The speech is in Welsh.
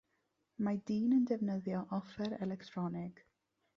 Mae dyn yn defnyddio offer electronig.